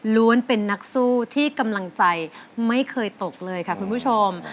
เป็นนักสู้ที่กำลังใจไม่เคยตกเลยค่ะคุณผู้ชม